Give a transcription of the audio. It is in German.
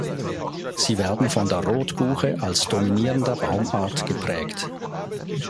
Sie werden von der Rotbuche als dominierender Baumart geprägt.